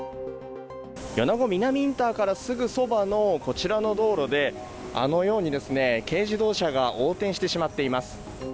米子南インターからすぐそばのこちらの道路であのように、軽自動車が横転してしまっています。